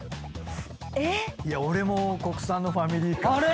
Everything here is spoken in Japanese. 俺も国産のファミリーカー。